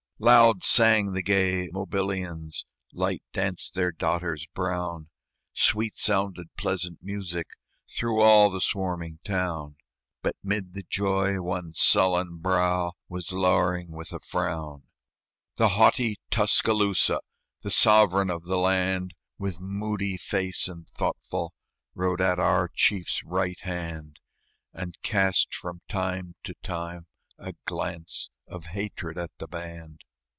Loud sang the gay Mobilians, Light danced their daughters brown; Sweet sounded pleasant music Through all the swarming town; But 'mid the joy one sullen brow Was lowering with a frown. The haughty Tuscaloosa, The sovereign of the land, With moody face, and thoughtful, Rode at our chief's right hand, And cast from time to time a glance Of hatred at the band.